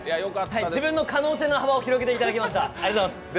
自分の可能性の幅を広げていただきました。